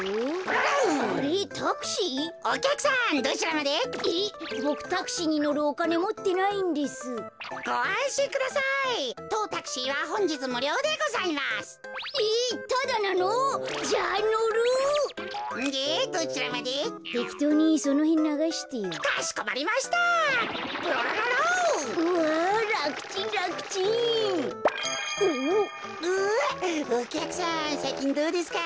うわっおきゃくさんさいきんどうですか？